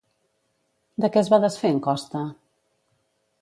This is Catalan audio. De què es va desfer en Costa?